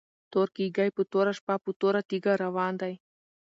تور کيږی په توره شپه په توره تيږه روان وو